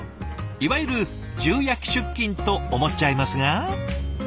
いわゆる重役出勤と思っちゃいますが。